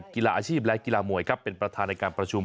กีฬาอาชีพและกีฬามวยครับเป็นประธานในการประชุม